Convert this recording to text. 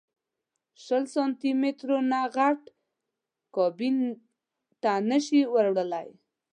شل سانتي مترو نه غټ کابین ته نه شې وړلی.